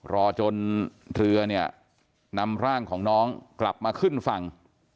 รอจนเรือเนี่ยนำร่างของน้องกลับมาขึ้นฝั่ง